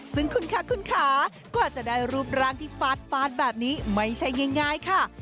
ซึ่งคุณค่ะก็จะได้รูปร้างที่ฟาดแบบนี้ไม่ใช่ง่ายค่ะ